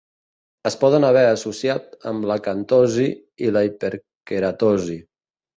Es poden haver associat amb l'acantosi i la hiperqueratosi.